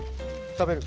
食べる？